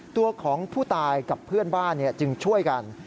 ตัวของผู้ตายกับเพื่อนบ้านจึงช่วยกัน